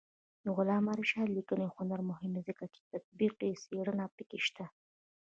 د علامه رشاد لیکنی هنر مهم دی ځکه چې تطبیقي څېړنه پکې شته.